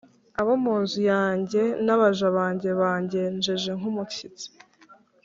abo mu nzu yanjye n’abaja banjye bangenje nk’umushyitsi,